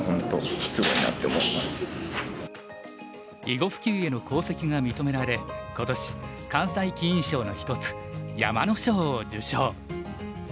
囲碁普及への功績が認められ今年関西棋院賞の一つ山野賞を受賞。